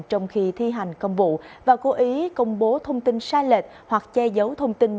trong khi thi hành công vụ và cố ý công bố thông tin sai lệch hoặc che giấu thông tin